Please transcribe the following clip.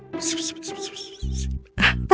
kau tidak tahu